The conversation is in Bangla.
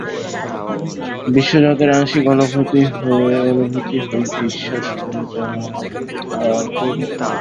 বিশ্বজগতের আংশিক অনুভূতি হইতে ঈশ্বর সম্বন্ধে যে ধারণা হয়, তাহাও আংশিক মাত্র।